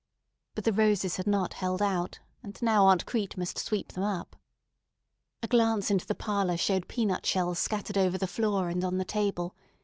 But the roses had not held out, and now Aunt Crete must sweep them up. A glance into the parlor showed peanut shells scattered over the floor and on the table.